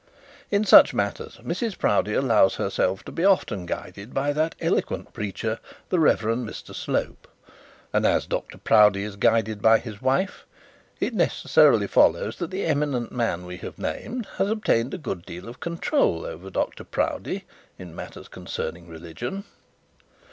In such matters, Mrs Proudie allows herself to be often guided by that eloquent preacher, the Rev. Mr Slope, and as Dr Proudie is guided by his wife, it necessarily follows that the eminent man we have named has obtained a good deal of control over Dr Proudie in matters concerning religion.